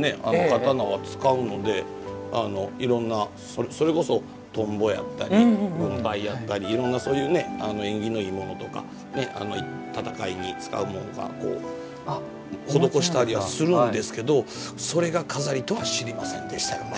刀は使うのでいろんなそれこそトンボやったり軍配やったりいろんなそういうね縁起のいいものとか戦いに使うもんがこう施したりはするんですけどそれが錺とは知りませんでしたよね。